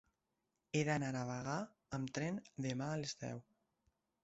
He d'anar a Bagà amb tren demà a les deu.